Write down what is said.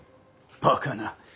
バカな。